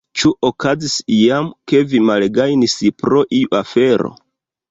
Ĉu okazis iam, ke vi malgajnis pro iu afero?